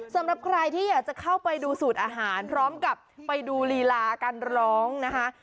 สำหรับใครที่อยากจะเข้าไปดูสูตรอาหารพร้อมกับไปดูลีลาการร้องนะคะ